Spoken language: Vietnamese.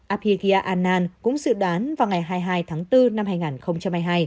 abhigya anand cũng dự đoán vào ngày hai mươi hai tháng bốn năm hai nghìn hai mươi hai